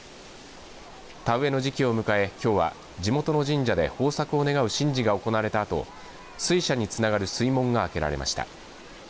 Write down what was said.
田植えの時期を迎え、きょうは地元の神社で豊作を願う神事が行われたあと水車につながる水門が開けられました。